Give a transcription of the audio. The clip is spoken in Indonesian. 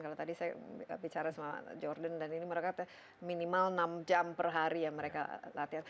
kalau tadi saya bicara sama jordan dan ini mereka minimal enam jam per hari ya mereka latihan